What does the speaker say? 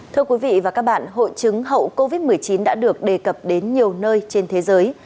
thưa quý vị và các bạn hội chứng hậu covid một mươi chín đã được đề cập đến nhiều nơi trên thế giới